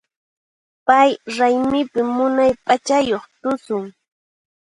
Pay raymipi munay p'achayuq tusun.